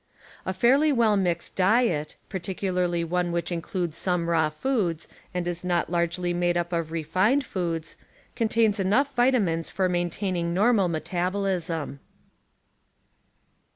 A fairlj^ well mixed diet, particularly one which includes some raw foods and is not largely made up of refined foods, con tains enough vitamines for maintaining normal metabolism.